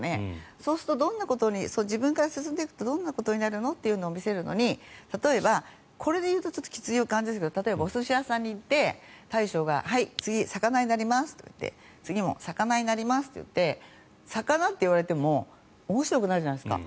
そうすると自分から進んでいくとどんなことになるのというのを見せるのに例えばこれだときつい感じがしますけど例えばお寿司屋さんに行って大将が次、魚になりますって言って次も魚になりますって言って魚って言われても面白くないじゃないですか。